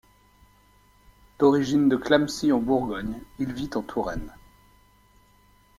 D'origine de Clamecy en Bourgogne, il vit en Touraine.